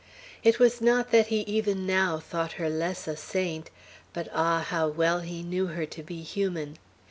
It was not that he even now thought her less a saint; but ah, how well he knew her to be human!